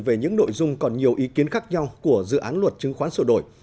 về những nội dung còn nhiều ý kiến khác nhau của dự án luật chứng khoán sổ đổi